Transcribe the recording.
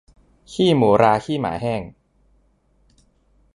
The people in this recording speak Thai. ขี้หมูราขี้หมาแห้ง